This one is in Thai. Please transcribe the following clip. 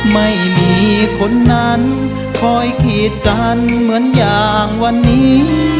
ไม่มีคนนั้นคอยกีดกันเหมือนอย่างวันนี้